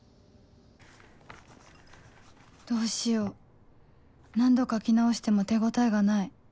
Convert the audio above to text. どうしよう何度描き直しても手応えがない